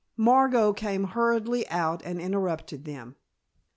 Margot came hurriedly out and interrupted them.